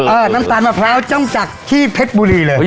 น้ำตาลมะพร้าวจ้องจักรที่เพชรบุรีเลย